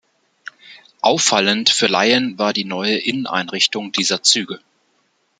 Auffallend für Laien war die neue Inneneinrichtung dieser Züge.